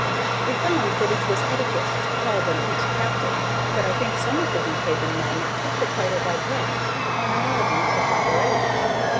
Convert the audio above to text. We found that it was etiquette to call them each captain, but I think some of the Deephaven men took the title by brevet upon arriving at a proper age.